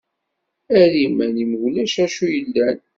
Err iman-im ulac acu yellan.